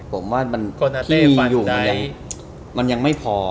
ผมว่ามันพี่อยู่ในนั้นมันยังไม่พอ